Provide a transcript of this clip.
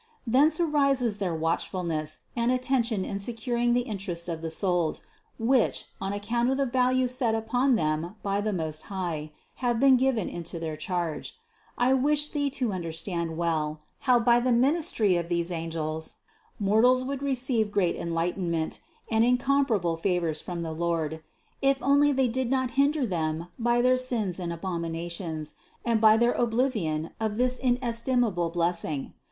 Thence arises their watch fulness and attention in securing the interests of the souls, which, on account of the value set upon them by the Most High, have been given into their charge. I wish thee to understand well, how by the ministry of these angels, mortals would receive great enlightenment, and incom parable favors from the Lord, if only they did not hinder them by their sins and abominations, and by their oblivion of this inestimable blessing.